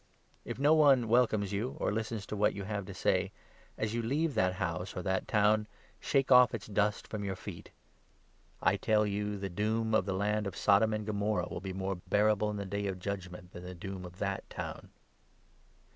If no one welcomes you, or listens to what you say, as you 14 leave that house or that town, shake off its dust from your feet. I tell you, the doom of the land of Sodom and Gomorrah 15 will be more bearable in the ' Day of Judgement ' than the doom of that town.